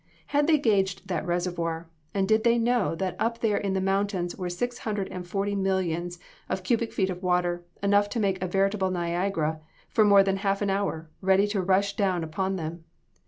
Had they guaged that reservoir, and did they know that up there in the mountains were six hundred and forty millions of cubic feet of water, enough to make a veritable Niagara, for more than half an hour, ready to rush down upon them?